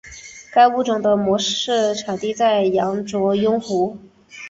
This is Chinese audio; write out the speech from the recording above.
该物种的模式产地在羊卓雍湖。